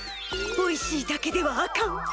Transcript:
おいしいだけではあかん。